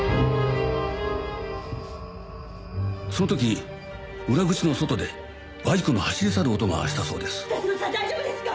その時裏口の外でバイクの走り去る音がしたそうです。